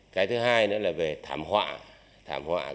cái thứ hai nữa là về thảm họa